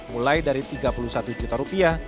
mulai dari rp tiga puluh satu juta